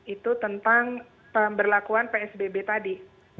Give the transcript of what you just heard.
itu tentang pemberlakuan psbb tadi